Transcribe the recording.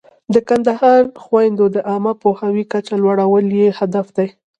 د کندهاري خویندو د عامه پوهاوي کچه لوړول یې هدف دی.